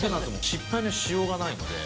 失敗のしようがないので。